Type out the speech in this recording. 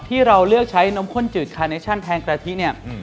ที่เราเลือกใช้นมข้นจืดคาเนชั่นแพงกะทิเนี่ย